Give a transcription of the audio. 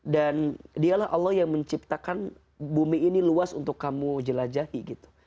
dan dialah allah yang menciptakan bumi ini luas untuk kamu jelajahi gitu